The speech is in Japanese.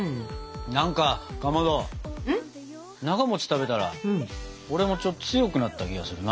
なが食べたら俺もちょっと強くなった気がするな。